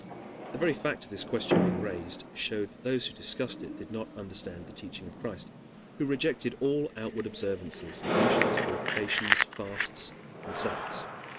The very fact of this question being raised showed that those who discussed it did not understand the teaching of Christ, who rejected all outward observances ablutions, purifications, fasts, and sabbaths.